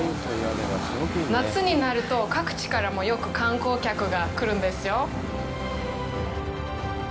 夏になると、各地からもよく観光客が来るんですよ。